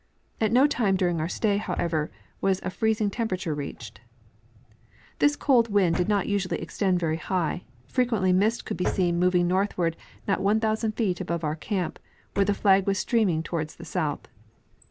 At no time during our stay, however, was a freezing tem perature reached. This cold wind did not usually extend very high ; frequently mist could be seen moving northward not 1,000 feet above our camp, where the flag was streaming toward the south.